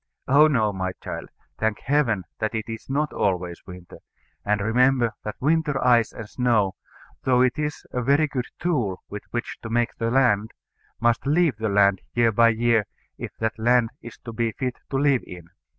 Oh no, my child: thank Heaven that it is not always winter; and remember that winter ice and snow, though it is a very good tool with which to make the land, must leave the land year by year if that land is to be fit to live in.